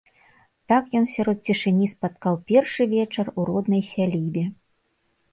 Так ён сярод цішыні спаткаў першы вечар у роднай сялібе.